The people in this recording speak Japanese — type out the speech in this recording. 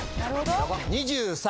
２３。